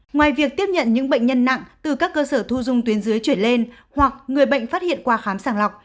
ngoài việc tiếp nhận những bệnh nhân nặng từ các cơ sở thu dung tuyến dưới chuyển lên hoặc người bệnh phát hiện qua khám sàng lọc